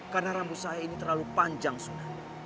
karena rambut saya ini terlalu panjang sunan